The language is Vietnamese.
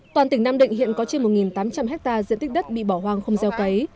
toàn tỉnh nam định hiện có trên một tám trăm linh hectare diện tích đất bị bỏ hoang không gieo cấy